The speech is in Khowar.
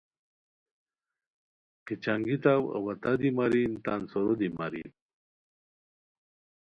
کی چنگیتاؤ اوا تہ دی ماریم تان سورو دی ماریم